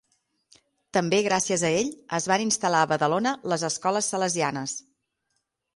També gràcies a ell es van instal·lar a Badalona les escoles salesianes.